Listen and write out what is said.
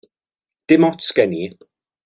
Dim ots gen i.